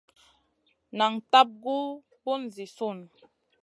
Nan tab gu bùn zi sùn.